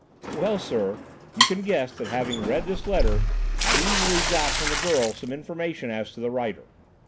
"Well, sir, you can guess that having read this letter, I easily got from the girl some information as to the writer.